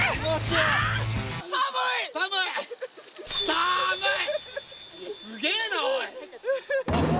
寒い！